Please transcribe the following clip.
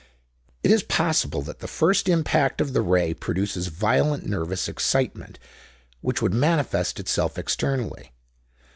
"It is possible that the first impact of the Ray produces violent nervous excitement, which would manifest itself externally.